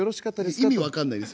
意味分かんないです。